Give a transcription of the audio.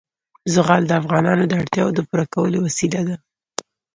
زغال د افغانانو د اړتیاوو د پوره کولو وسیله ده.